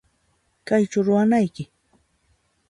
Kaychu ruwanayki?